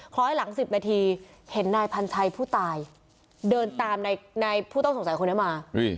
คล้อยหลัง๑๐นาทีเห็นนายพันชัยผู้ตายเดินตามนายผู้ต้องสงสัยคนนี้มา